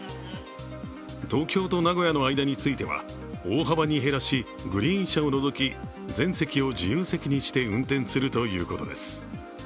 東京と名古屋の間については大幅に減らしグリーン車を除き、全席を自由席にして運転するということです。